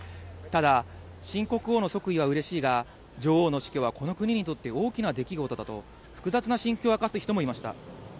ただ、新国王の即位はうれしいが、女王の死去はこの国にとって大きな出来事だと、複雑な心境を明かす人もいました。